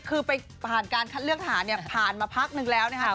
คือไปผ่านการคัดเลือกฐานเนี่ยผ่านมาพักนึงแล้วนะครับ